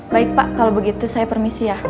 baik pak kalau begitu saya permisi ya